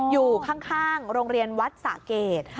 อยู่ข้างโรงเรียนวัดสะเกด